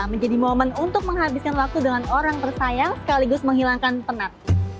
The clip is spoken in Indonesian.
menjadi momen untuk menghabiskan waktu dengan orang tersayang sekaligus menghilangkan penat